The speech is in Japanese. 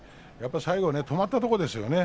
最後、止まったところですよね。